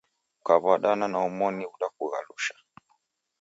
Kaw'adana na omoni udakulaghasha.